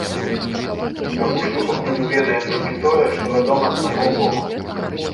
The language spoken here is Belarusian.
Таму што пакуль мы ведаем толькі тое, што вядома з майго боку.